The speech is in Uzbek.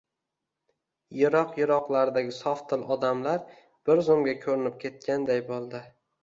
Yiroq-yiroqlardagi sofdil odamlar bir zumga koʻrinib ketganday boʻldi